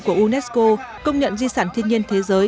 của unesco công nhận di sản thiên nhiên thế giới